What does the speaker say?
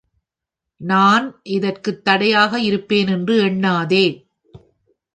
நான் இதற்குத் தடையாக இருப்பேன் என்று எண்ணாதே.